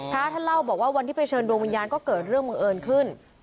พระท่านเล่าบอกว่าวันที่ไปเชิญดวงวิญญาณก็เกิดเรื่องบังเอิญขึ้น